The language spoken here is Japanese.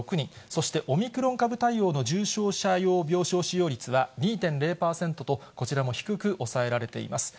そしてオミクロン株対応の重症者用病床使用率は２．０％と、こちらも低く抑えられています。